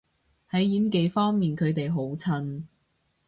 喺演技方面佢哋好襯